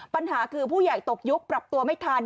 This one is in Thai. ปัญหาคือผู้ใหญ่ตกยุคปรับตัวไม่ทัน